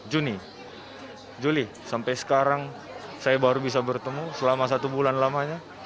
juni juli sampai sekarang saya baru bisa bertemu selama satu bulan lamanya